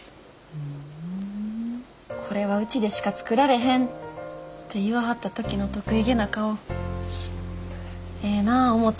これはうちでしか作られへんて言わはった時の得意げな顔ええなぁ思て。